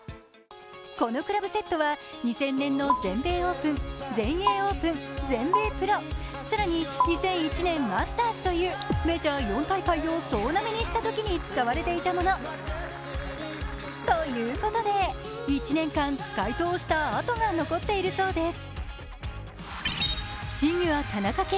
このクラブセットは２０００年の全米オープン全英オープン、全米プロ更に２００１年マスターズというメジャー４大会を総なめにしたときに使われていたもの。ということで、１年間使い通した跡が残っているそうです。